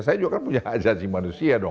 saya juga kan punya hak jazi manusia dong